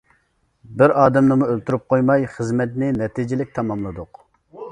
بىر ئادەمنىمۇ ئۆلتۈرۈپ قويماي، خىزمەتنى نەتىجىلىك تاماملىدۇق.